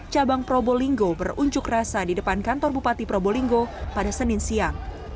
cabang probolinggo berunjuk rasa di depan kantor bupati probolinggo pada senin siang